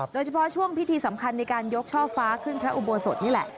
โดยเฉพาะช่วงพิธีสำคัญในการยกช่อฟ้าขึ้นพระอุโบสถนี่แหละ